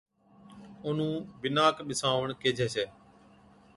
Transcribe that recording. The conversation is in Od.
اونھُون بِناڪ ٻِساوڻ ڪيهجَي ڇَي